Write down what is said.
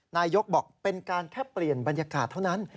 นายกบอกเป็นการแค่เปลี่ยนบรรยากาศเท่านั้น